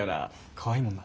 かわいいもんな。